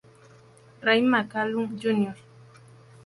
Ray McCallum, Jr.